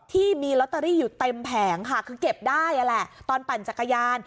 ที่มีลอตเตอรี่อยู่เต็มแผงค่ะคือเก็บได้นั่นแหละตอนปั่นจักรยาน